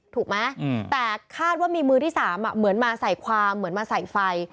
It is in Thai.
ถูกไหมแต่คาดว่ามีมือที่๓เหมือนมาใส่ความเหมือนมาใส่ไฟ